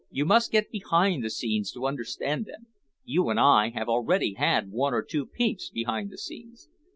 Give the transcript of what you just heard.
You must get behind the scenes to understand them. You and I have already had one or two peeps behind the scenes."